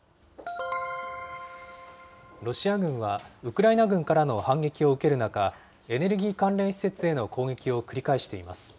ロシア軍は、ウクライナ軍からの反撃を受ける中、エネルギー関連施設への攻撃を繰り返しています。